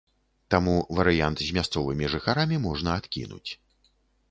Таму варыянт з мясцовымі жыхарамі можна адкінуць.